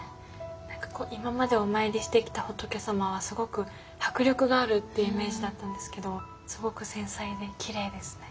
何か今までお参りしてきた仏様はすごく迫力があるっていうイメージだったんですけどすごく繊細できれいですね。